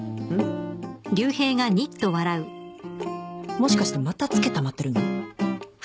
もしかしてまた付けたまってるの？